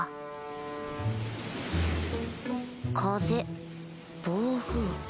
風暴風